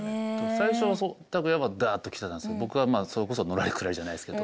最初はタクヤがダッてきてたんですけど僕はまあそれこそのらりくらりじゃないですけど。